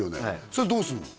それどうすんの？